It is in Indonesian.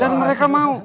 dan mereka mau